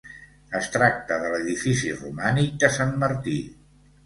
Es tracta de l'edifici romànic de Sant Martí.